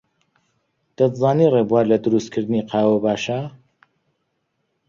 دەتزانی ڕێبوار لە دروستکردنی قاوە باشە؟